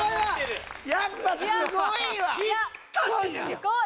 すごーい！